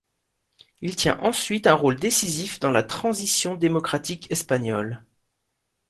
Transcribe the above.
Il tient ensuite un rôle décisif dans la transition démocratique espagnole.